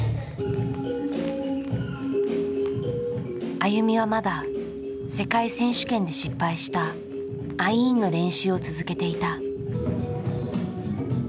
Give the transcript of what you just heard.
ＡＹＵＭＩはまだ世界選手権で失敗したアイーンの練習を続けていた。